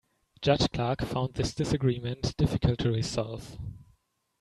Judge Clark found this disagreement difficult to resolve.